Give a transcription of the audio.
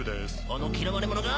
あの嫌われ者が？